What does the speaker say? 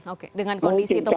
oke dengan kondisi topologi